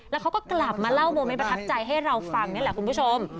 แล้วเขาก็กลับมาเล่าโมเมนต์ประทับใจให้เราฟังนี่แหละคุณผู้ชม